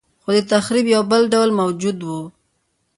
خو د تخریب یو بل ډول موجود و